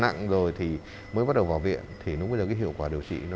xong rồi đến mai là đến hôm sau thì nó cứ đỡ được một đoạn